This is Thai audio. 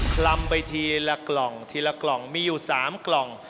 คลำไปทีละกล่องทีละกล่องมีอยู่๓กล่อง